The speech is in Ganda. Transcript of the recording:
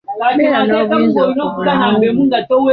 Beera n'obuyinza ku bulamu bwo.